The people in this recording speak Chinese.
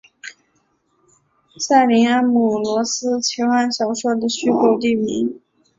塞林安姆罗斯奇幻小说的虚构地名。